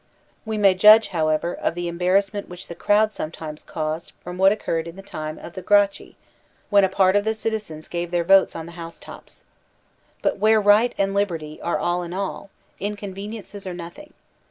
We may judge, however, of the embarrassment which the crowd sometimes caused from what occurred in the time of the Gracchi, when a part of the citizens gave their votes on the house tops. But where right and liberty are all in all, inconveniences are nothing.